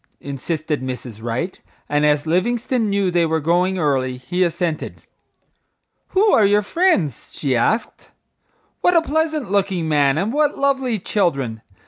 insisted Mrs. Wright, and as Livingstone knew they were going early he assented. "Who are your friends?" she asked. "What a pleasant looking man, and what lovely children!